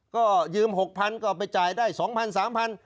ก็ยืมหกพันก็เอาไปจ่ายได้สองพันสามพัน